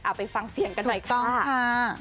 เอาไปฟังเสียงกันหน่อยค่ะ